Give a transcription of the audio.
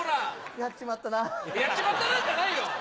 「やっちまったな」じゃないよ。